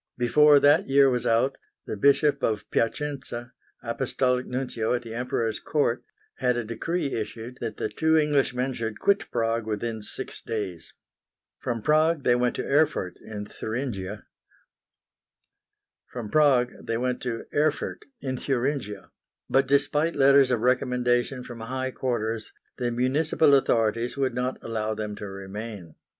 Before that year was out, the Bishop of Piacenza, Apostolic Nuncio at the Emperor's Court, had a decree issued that the two Englishmen should quit Prague within six days. From Prague they went to Erfurt, in Thuringia; but despite letters of recommendation from high quarters the Municipal Authorities would not allow them to remain.